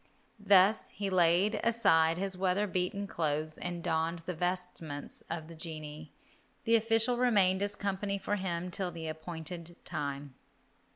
Thus he laid aside his weather beaten clothes and donned the vestments of the genii. The official remained as company for him till the appointed time.